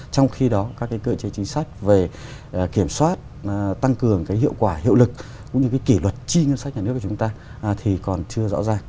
trong khi đó các cơ chế chính sách về kiểm soát tăng cường hiệu quả hiệu lực cũng như kỷ luật chi ngân sách nhà nước của chúng ta thì còn chưa rõ ràng